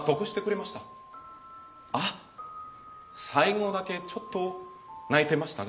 あさいごだけちょっとないてましたが。